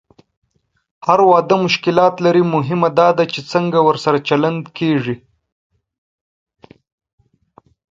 هر واده مشکلات لري، مهمه دا ده چې څنګه ورسره چلند کېږي.